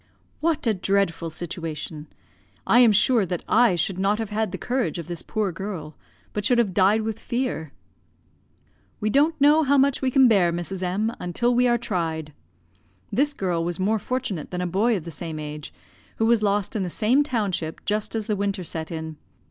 "What a dreadful situation! I am sure that I should not have had the courage of this poor girl, but should have died with fear." "We don't know how much we can bear, Mrs. M , until we are tried. This girl was more fortunate than a boy of the same age, who was lost in the same township, just as the winter set in.